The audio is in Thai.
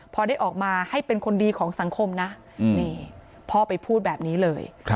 พอได้ออกมาให้เป็นคนดีของสังคมนะนี่พ่อไปพูดแบบนี้เลย